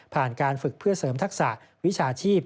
การฝึกเพื่อเสริมทักษะวิชาชีพ